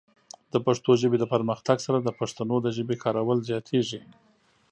د پښتو ژبې د پرمختګ سره، د پښتنو د ژبې کارول زیاتېږي.